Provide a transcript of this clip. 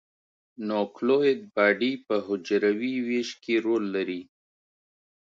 نوکلوئید باډي په حجروي ویش کې رول لري.